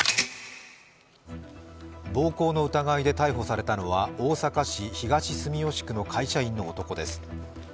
暴行の疑いで逮捕されたのは大阪市東住吉区の会社員の男です。